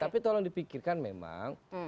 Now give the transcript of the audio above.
tapi tolong dipikirkan memang